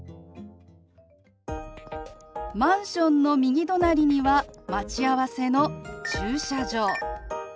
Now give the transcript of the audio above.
マンションの右隣には待ち合わせの駐車場。